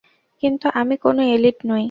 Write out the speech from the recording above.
কিন্তু আমি কোনো এলিট নই।